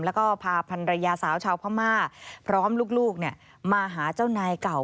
แล้วก็พาพันรยาสาวชาวพม่าพร้อมลูกมาหาเจ้านายเก่า